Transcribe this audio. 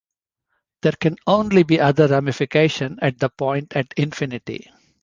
There can only be other ramification at the point at infinity.